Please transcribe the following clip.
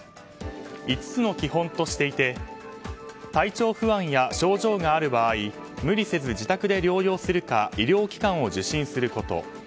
５つの基本としていて体調不安や症状がある場合無理せず自宅で療養するか医療機関を受診すること。